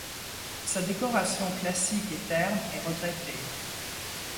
Sa décoration classique et terne est regrettée.